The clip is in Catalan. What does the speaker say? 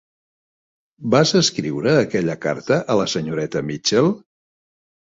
Vas escriure aquella carta a la senyoreta Mitchell?